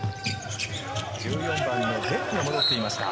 １４番のデックが戻っていました。